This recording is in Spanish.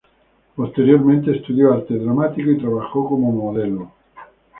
Posteriormente estudió arte dramático y trabajó como modelo.